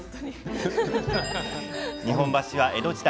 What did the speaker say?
日本橋は江戸時代